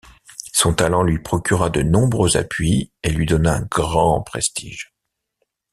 Son talent lui procura de nombreux appuis et lui donna un grand prestige.